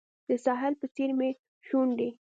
د ساحل په څیر مې شونډې